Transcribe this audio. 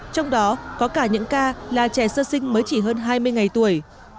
trong đó có cả những ca là trẻ sơ sinh mới chỉ hơn hai mươi ngày tuổi